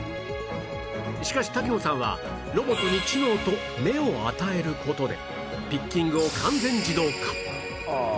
しかし滝野さんはロボットに知能と目を与える事でピッキングを完全自動化